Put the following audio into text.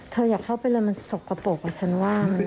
เธออยากเข้าไปเลยมันสกกระโปรกกว่าฉันว่า